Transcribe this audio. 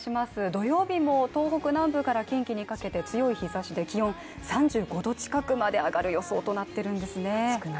土曜日も東北南部から近畿にかけて強い日ざしで気温３５度近くまで上がる予想になっているんですね。